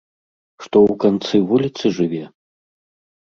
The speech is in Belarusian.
Што ў канцы вуліцы жыве?